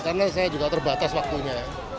karena saya juga terbatas waktunya